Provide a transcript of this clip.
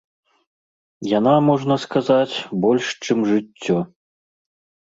Яна, можна сказаць, больш, чым жыццё.